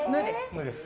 無です。